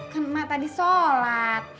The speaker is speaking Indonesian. kan mak tadi sholat